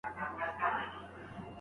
که بدلون رانغلی، نو وضعي نه سميږي.